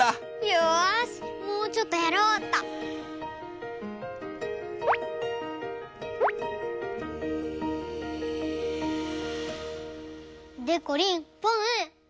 よしもうちょっとやろうっと。でこりんポン。